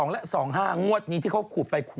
๒๒แล้ว๒๕งวดนี้ที่เขาขุดไปขุดมา